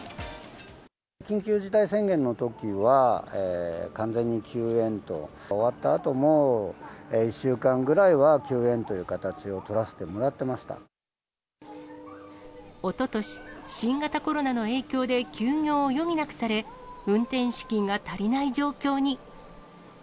緊急事態宣言のときは、完全に休園と、終わったあとも１週間ぐらいは休園という形を取らせてもらってまおととし、新型コロナの影響で休業を余儀なくされ、運転資金が足りない状況に。